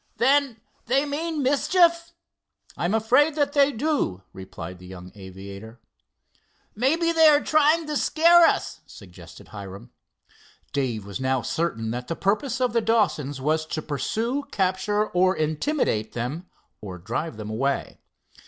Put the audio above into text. "Then they mean mischief?" "I am afraid that they do," replied the young aviator. "Maybe they are trying to scare us," suggested Hiram. Dave was now certain that the purpose of the Dawsons was to pursue, capture or intimidate them, or drive them away.